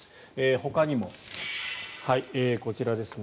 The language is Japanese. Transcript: ほかにも、こちらですね。